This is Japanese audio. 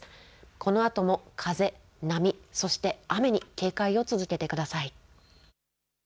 このあとも風、波、そして雨に警戒を続けてください。